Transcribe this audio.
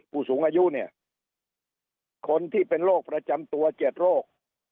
ผู้สูงอายุเนี่ยคนที่เป็นโรคประจำตัว๗โรค